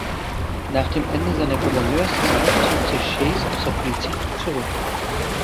Nach dem Ende seiner Gouverneurszeit zog sich Chase aus der Politik zurück.